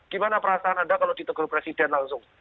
gimana perasaan anda kalau ditegur presiden langsung